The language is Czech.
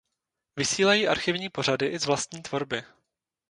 Vysílají archivní pořady i z vlastní tvorby.